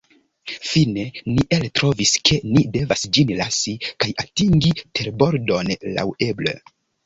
Fine, ni eltrovis ke ni devas ĝin lasi, kaj atingi terbordon laŭeble.